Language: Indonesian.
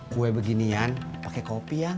kue beginian pakai kopi ya